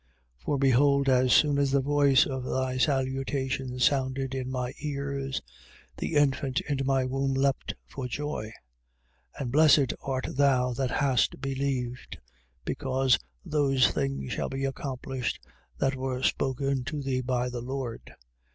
1:44. For behold as soon as the voice of thy salutation sounded in my ears, the infant in my womb leaped for joy. 1:45. And blessed art thou that hast believed, because those things shall be accomplished that were spoken to thee by the Lord.